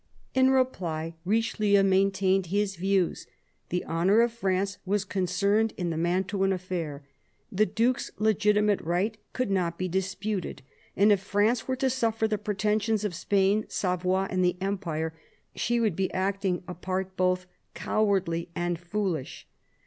In reply, Richelieu maintained his views : the honour of France was concerned in the Mantuan affair; the Duke's legitimate right could not be disputed ; and if France were to suffer the pretensions of Spain, Savoy, and the Empire, she would be acting a part both cowardly and foolish.